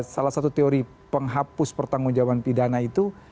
salah satu teori penghapus pertanggung jawaban pidana itu